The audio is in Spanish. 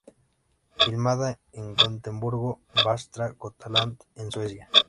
Filmada en Gotemburgo, Västra Götaland, en Suecia.